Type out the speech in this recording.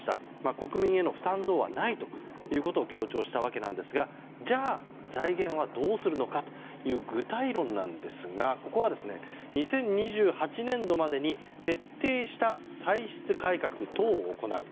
国民への負担増はないということを強調したわけなんですが財源はどうするのかという具体論なんですがここは、２０２８年度までに徹底した歳出改革等を行う。